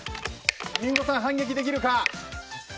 リンゴさん、反撃できるか。